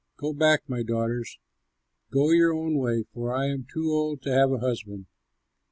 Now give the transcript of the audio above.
Go back, my daughters, go your own way, for I am too old to have a husband.